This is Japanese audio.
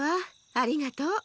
ありがとう。